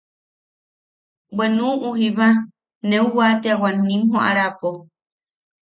Bwe nuʼu jiba neu watiawan nim joʼarapo: